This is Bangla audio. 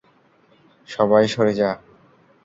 সবাই, সরে যা।